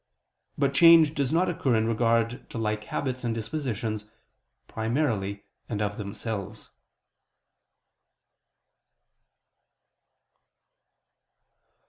But change does not occur in regard to like habits and dispositions, primarily and of themselves.